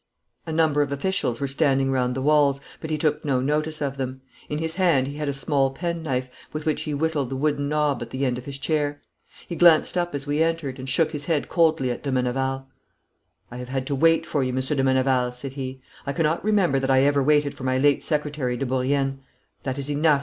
A number of officials were standing round the walls, but he took no notice of them. In his hand he had a small penknife, with which he whittled the wooden knob at the end of his chair. He glanced up as we entered, and shook his head coldly at de Meneval. 'I have had to wait for you, Monsieur de Meneval,' said he. 'I cannot remember that I ever waited for my late secretary de Bourrienne. That is enough!